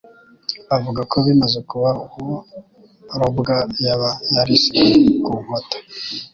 Bavuga ko bimaze kuba uwo Robwa yaba yarisekuye ku nkota